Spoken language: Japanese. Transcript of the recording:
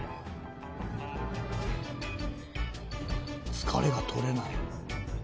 疲れが取れない。